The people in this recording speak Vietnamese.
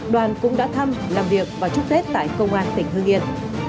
đoàn cũng đã thăm làm việc và chúc tết tại công an tỉnh hương yên